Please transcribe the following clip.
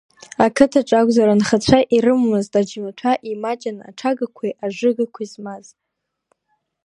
Ақыҭаҿы акәзар, анхацәа ирымамызт ацәмаҭәа, имаҷын аҽагақәеи ажыгақәеи змаз.